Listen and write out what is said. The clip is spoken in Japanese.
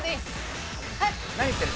何ってる？